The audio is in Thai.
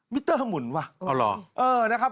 มิเตอร์หมุนว่ะ